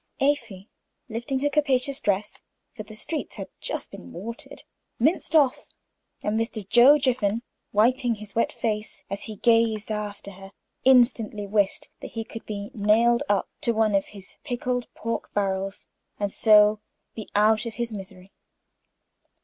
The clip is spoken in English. Afy, lifting her capacious dress, for the streets had just been watered, minced off. And Mr. Joe Jiffin, wiping his wet face as he gazed after her, instantly wished that he could be nailed up in one of his pickled pork barrels, and so be out of his misery.